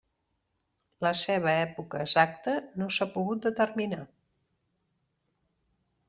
La seva època exacta no s'ha pogut determinar.